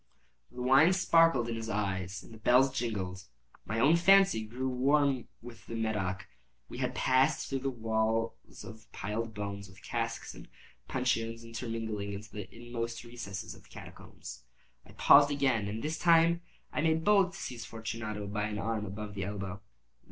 The wine sparkled in his eyes and the bells jingled. My own fancy grew warm with the Medoc. We had passed through walls of piled bones, with casks and puncheons intermingling, into the inmost recesses of the catacombs. I paused again, and this time I made bold to seize Fortunato by an arm above the elbow.